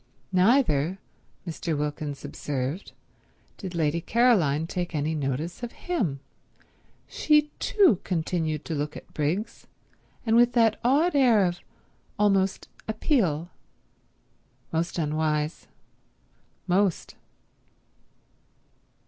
Neither, Mr. Wilkins observed, did Lady Caroline take any notice of him; she too continued to look at Briggs, and with that odd air of almost appeal. Most unwise. Most.